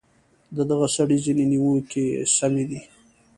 د دغه سړي ځینې نیوکې سمې دي.